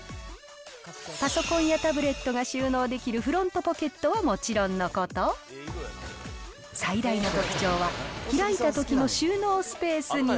パソコンやタブレットが収納できるフロントポケットはもちろんのこと、最大の特徴は、開いたときの収納スペースに。